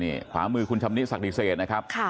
นี่ขวามือคุณชำนี้ศักดิเศษนะครับค่ะ